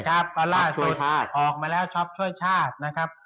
เอาล่ะออกมาแล้วช้อปช่วยชาตินะครับ